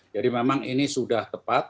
jadi memang ini sudah tepat